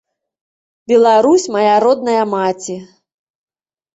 Беларусь, мая родная маці!